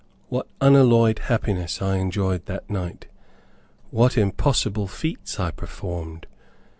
What unalloyed happiness I enjoyed that night! what impossible feats I performed!